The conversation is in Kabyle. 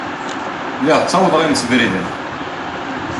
Lliɣ ttawḍeɣ imsebriden.